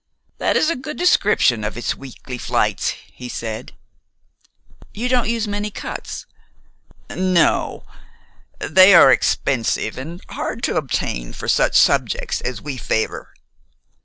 "That is a good description of its weekly flights," he said. "You don't use many cuts?" "N no. They are expensive and hard to obtain for such subjects as we favor."